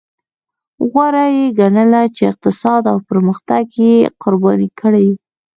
غوره یې ګڼله چې اقتصاد او پرمختګ یې قرباني کړي.